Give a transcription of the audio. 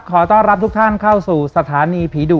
ขอต้อนรับทุกท่านเข้าสู่สถานีผีดุ